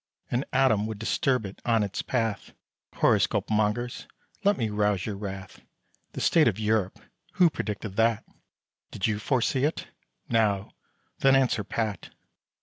An atom would disturb it on its path. Horoscope mongers, let me rouse your wrath: The state of Europe, who predicted that? Did you foresee it? now, then, answer pat.